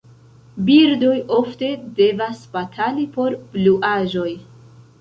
Birdoj ofte devas batali por bluaĵoj.